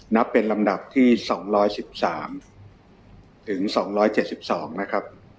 นับเป็นลำดับที่๒๑๓ถึง๒๗๒นะครับ